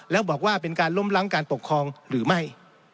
แล้วบอกว่าเป็นการล้มล้างการปกครองหรือไม่